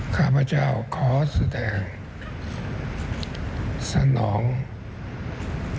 ข้าพเจ้าขอแสดงสนองพระเจ้า